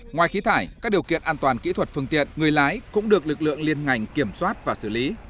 ngoài khí thải các điều kiện an toàn kỹ thuật phương tiện người lái cũng được lực lượng liên ngành kiểm soát và xử lý